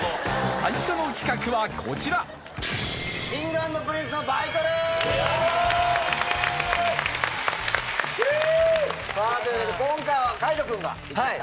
最初の企画はこちらさぁというわけで今回は海人君が行ってきた。